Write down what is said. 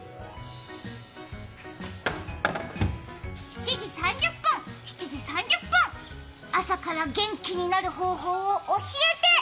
７時３０分、７時３０分、朝から元気になる方法を教えて！